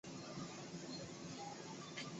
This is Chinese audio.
婺源凤仙花为凤仙花科凤仙花属下的一个种。